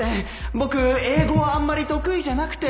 僕英語はあんまり得意じゃなくて